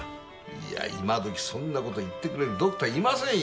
いや今時そんな事言ってくれるドクターいませんよ！